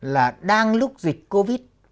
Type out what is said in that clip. là đang lúc dịch covid